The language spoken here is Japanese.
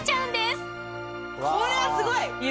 これはすごい。